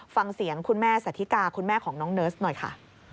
ฟังเสียงคุณแม่สาธิกาคุณแม่ของน้องเนิร์สหน่อยค่ะ